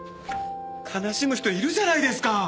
悲しむ人いるじゃないですか！